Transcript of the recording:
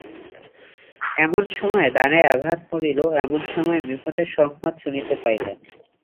এমন সময়ে দ্বারে আঘাত পড়িল, এমন সময়ে বিপদের সংবাদ শুনিতে পাইলেন।